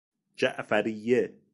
جعفریه